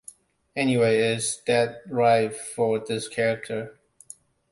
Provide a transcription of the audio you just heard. Anyway it's dead right for this character.